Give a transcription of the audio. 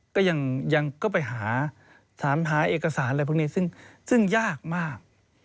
ก็ยังก็ไปหาถามหาเอกสารอะไรพวกนี้ซึ่งยากมาก